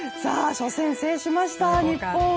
初戦制しました、日本。